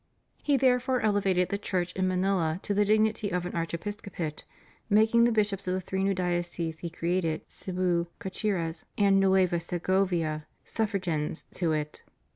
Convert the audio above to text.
He therefore elevated the Church in Manila to the dignity of an Archi episcopate, making the Bishops of the three new dioceses he created, Cebu, Caceres, and Nueva Segovia, suffragans to it.